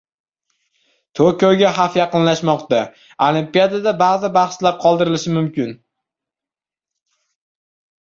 Tokioga xavf yaqinlashmoqda. Olimpiadada ba’zi bahslar qoldirilishi mumkin